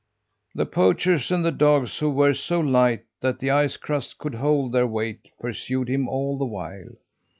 "The poachers and the dogs, who were so light that the ice crust could hold their weight, pursued him all the while.